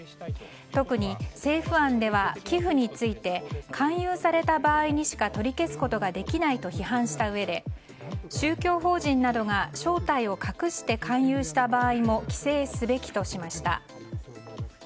特に政府案では、寄付について勧誘された場合にしか取り消すことができないと批判したうえで宗教法人などが正体を隠して勧誘した場合も規制すべきとしました。